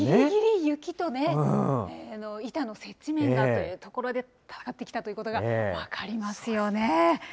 ぎりぎり雪とね、板の接地面がというところで、やってきたということが分かりますよね。